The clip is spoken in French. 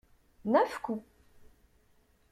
Neuf coups.